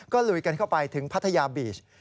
ลุยกันเข้าไปถึงพัทยาบีช